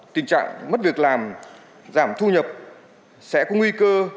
tình trạng mất việc làm giảm thu nhập sẽ có nguy cơ